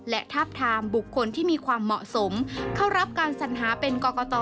และทาบทามบุคคลที่มีความเหมาะสมเข้ารับการสัญหาเป็นกรกต